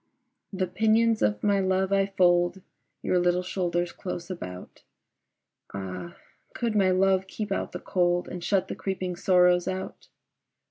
The pinions of my love I fold Your little shoulders close about: Ah could my love keep out the cold And shut the creeping sorrows out!